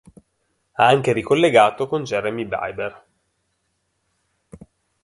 Ha anche ricollegato con Jeremy Bieber.